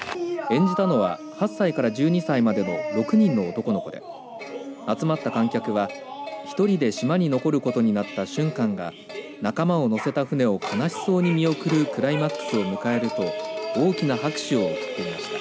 演じたのは８歳から１２歳までの６人の男の子で集まった観客は１人で島に残ることになった俊寛が仲間を乗せた船を悲しそうに見送るクライマックスを迎えると大きな拍手を送っていました。